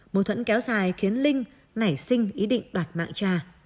mâu thuẫn kéo dài khiến linh nảy sinh ý định đoạt mạng tra